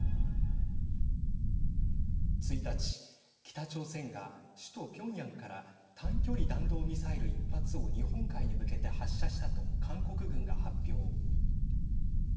１日、北朝鮮が首都ピョンヤンから短距離弾道ミサイル１発を日本海に向けて発射したと韓国軍が発表。